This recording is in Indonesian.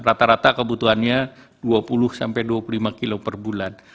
rata rata kebutuhannya dua puluh sampai dua puluh lima kilo per bulan